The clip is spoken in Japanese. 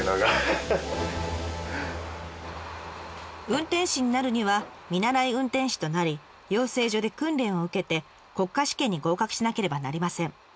運転士になるには見習い運転士となり養成所で訓練を受けて国家試験に合格しなければなりません。